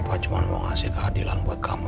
papa cuma mau ngasih keadilan buat kamu jas